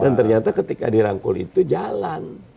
dan ternyata ketika dirangkul itu jalan